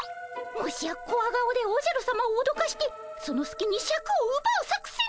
もしやコワ顔でおじゃるさまをおどかしてそのすきにシャクをうばう作戦？